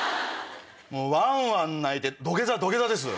ワンワン泣いて土下座土下座です。